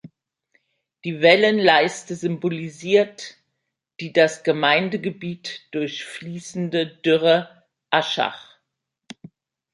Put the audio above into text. Die Wellenleiste symbolisiert die das Gemeindegebiet durchfließende Dürre Aschach.